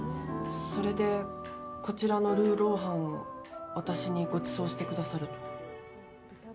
それで、こちらの魯肉飯を私に、ごちそうしてくださると。